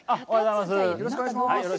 よろしくお願いします。